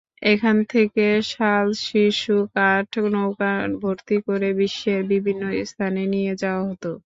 এখান থেকে শাল, শিশু কাঠ নৌকা ভর্তি করে বিশ্বের বিভিন্ন স্থানে নিয়ে যাওয়া হত।